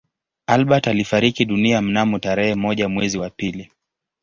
Albert alifariki dunia mnamo tarehe moja mwezi wa pili